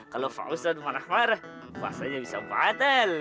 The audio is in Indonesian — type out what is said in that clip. kalau pak ustadz marah marah puasanya bisa batal